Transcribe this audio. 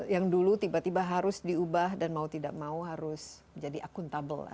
yang dulu tiba tiba harus diubah dan mau tidak mau harus menjadi akuntabel